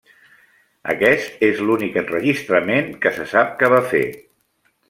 Aquest és l'únic enregistrament que se sap que va fer.